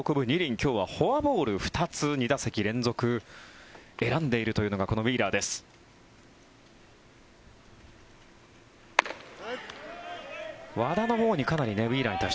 今日はフォアボール２つ２打席連続で選んでいるというこのウィーラーです。